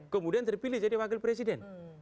kemudian terpilih jadi wakil presiden